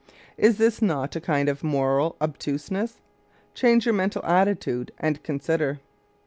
Is this not a kind of moral obtuseness? Change your mental attitude and consider.